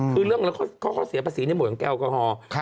คือเรื่องข้อเสียภาษีในหวดของแอลกอฮอล์